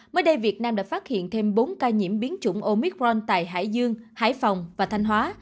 mới đây việt nam đã phát hiện thêm bốn ca nhiễm biến chủng omicron tại hải dương hải phòng và thanh hóa